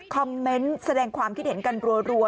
คอมเมนต์แสดงความคิดเห็นกันรัว